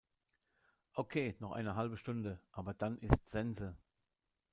Okay, noch eine halbe Stunde. Aber dann ist Sense!